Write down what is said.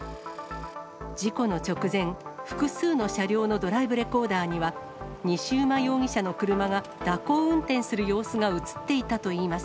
事故の直前、複数の車両のドライブレコーダーには、西馬容疑者の車が蛇行運転する様子が写っていたといいます。